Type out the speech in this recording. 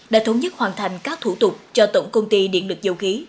đã thống nhất hoàn thành các thủ tục cho tổng công ty điện lực dầu khí